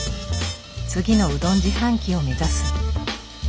次のうどん自販機を目指す。